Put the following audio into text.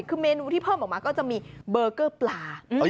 คือเมนูที่เพิ่มออกมาก็จะมีเบอร์เกอร์ปลา